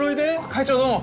会長どうも。